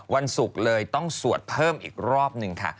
วันศุกร์เลยต้องสวดเพิ่มอีกรอบหนึ่งค่ะ